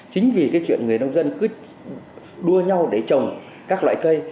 chính vì cái chuyện người nông dân cứ đua nhau để trồng các loại cây